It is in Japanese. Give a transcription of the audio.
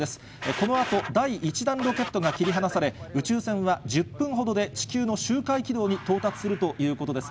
このあと、第１段ロケットが切り離され、宇宙船は１０分ほどで地球の周回軌道に到達するということです。